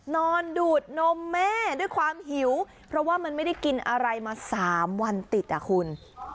นอนดูดนมแม่ด้วยความหิวเพราะว่ามันไม่ได้กินอะไรมา๓วันติดอ่ะคุณ